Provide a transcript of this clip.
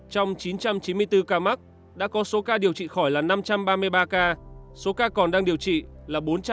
trong chín trăm chín mươi bốn ca mắc đã có số ca điều trị khỏi là năm trăm ba mươi ba ca số ca còn đang điều trị là bốn trăm ba mươi